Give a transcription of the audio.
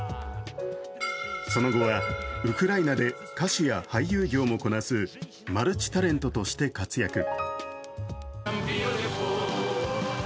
その後は、ウクライナで歌手や俳優業もこなすマルチタレントとして活躍。